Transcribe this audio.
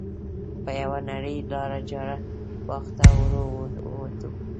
په یوه نرۍ لاره باغ ته ور ووتو.